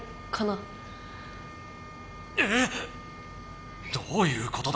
ええ⁉どういうことだ？